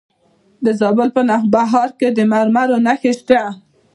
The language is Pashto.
د زابل په نوبهار کې د مرمرو نښې شته.